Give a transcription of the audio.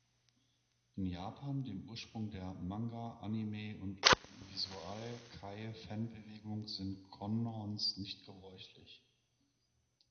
In Japan, dem Ursprung der Manga-, Anime- und Visual-Kei-Fanbewegung, sind Con-Hons nicht gebräuchlich.